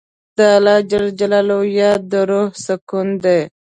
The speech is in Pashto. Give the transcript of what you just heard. د الله یاد د روح سکون دی.